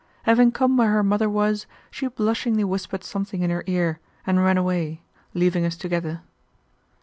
Having come where her mother was, she blushingly whispered something in her ear and ran away, leaving us together.